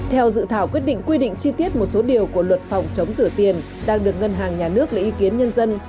theo dự thảo quyết định quy định chi tiết một số điều của luật phòng chống rửa tiền đang được ngân hàng nhà nước lấy ý kiến nhân dân